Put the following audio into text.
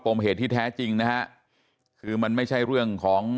มเหตุที่แท้จริงนะฮะคือมันไม่ใช่เรื่องของ